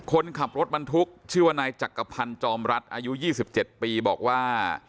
คนขับรถบรรทุกชื่อว่านายจักรพันธ์จอมรัฐอายุ๒๗ปีบอกว่า